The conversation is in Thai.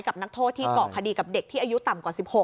นักโทษที่เกาะคดีกับเด็กที่อายุต่ำกว่า๑๖